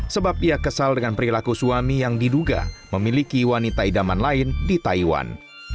sebab ia kesal dengan perilaku suami yang diduga memiliki wanita idaman lain di taiwan